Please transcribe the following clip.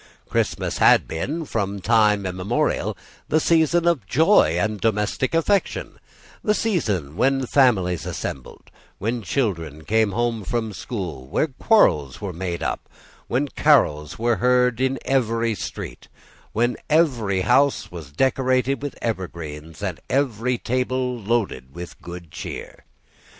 Christmas had been, from time immemorial, the season of joy and domestic affection, the season when families assembled, when children came home from school, when quarrels were made up, when carols were heard in every street, when every house was decorated with evergreens, and every table was loaded with good cheer.